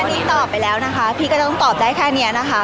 วันนี้ตอบไปแล้วนะคะพี่ก็ต้องตอบได้แค่นี้นะคะ